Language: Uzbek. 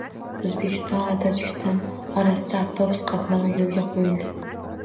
O‘zbekiston va Tojikiston o‘rtasida avtobus qatnovi yo‘lga qo‘yildi